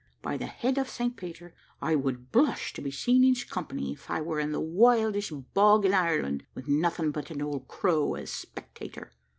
By the head of St. Peter, I would blush to be seen in his company, if I were in the wildest bog in Ireland, with nothing but an old crow as spectator."